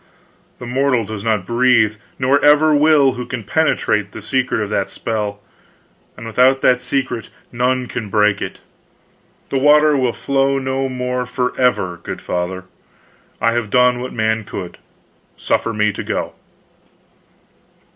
The mortal does not breathe, nor ever will, who can penetrate the secret of that spell, and without that secret none can break it. The water will flow no more forever, good Father. I have done what man could. Suffer me to go."